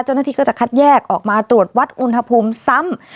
เจ้าหน้าที่ก็จะคัดแยกออกมาตรวจวัดอุณหภูมิซ้ำ